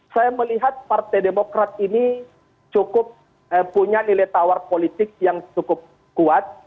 saya melihat partai demokrat ini cukup punya nilai tawar politik yang cukup kuat